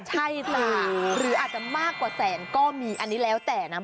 ใช่ค่ะหรืออาจจะมากกว่าแสนก็มีอันนี้แล้วแต่นะ